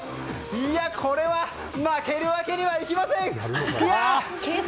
これは負けるわけにはいきません！